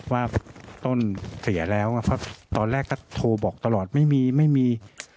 ว่าต้นเสียแล้วครับตอนแรกก็โทรบอกตลอดไม่มีไม่มี